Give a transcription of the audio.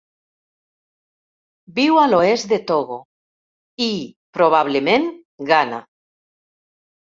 Viu a l'oest de Togo i, probablement, Ghana.